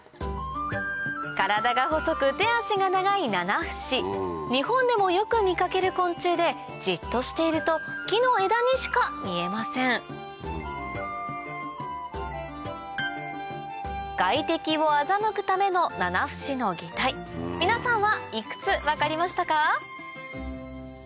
体が細く手足が長いナナフシ日本でもよく見かける昆虫でじっとしていると木の枝にしか見えません外敵を欺くためのナナフシの擬態皆さんはいくつ分かりましたか？